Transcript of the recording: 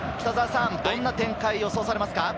どんな展開を予想されますか？